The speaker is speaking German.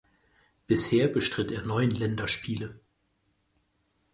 Bisher bestritt er neun Länderspiele.